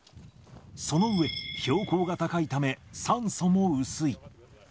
その上、標高が高いため、酸素も薄い。